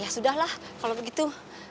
ya sudah lah kalau begitu